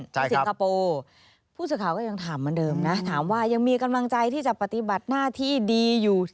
สิงคโปร์ผู้สื่อข่าวก็ยังถามเหมือนเดิมนะถามว่ายังมีกำลังใจที่จะปฏิบัติหน้าที่ดีอยู่